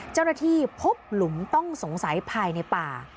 เจ้าหน้าที่พบหลุมต้องสงสัยภายในป่า